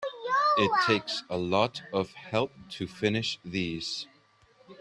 It takes a lot of help to finish these.